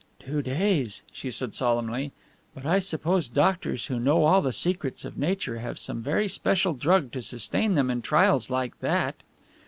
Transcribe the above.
"Two days," she said solemnly, "but I suppose doctors who know all the secrets of nature have some very special drug to sustain them in trials like that."